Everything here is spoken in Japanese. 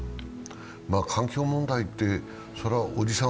環境問題っておじさん